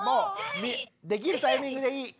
できるタイミングでいい。